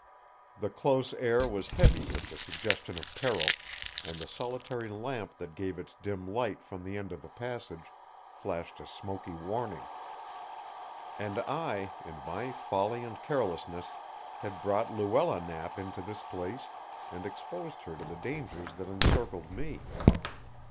The close air was heavy with the suggestion of peril, and the solitary lamp that gave its dim light from the end of the passage flashed a smoky warning. And I, in my folly and carelessness, had brought Luella Knapp into this place and exposed her to the dangers that encircled me.